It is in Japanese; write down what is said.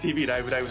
ライブ！」